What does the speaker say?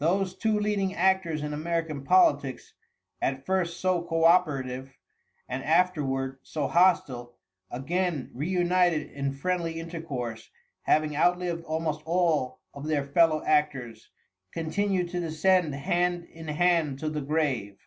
Those two leading actors in American politics, at first so co operative and afterward so hostile, again reunited in friendly intercourse, having outlived almost all of their fellow actors, continued to descend hand in hand to the grave.